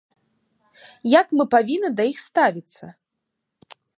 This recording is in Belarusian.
Як мы павінны да іх ставіцца?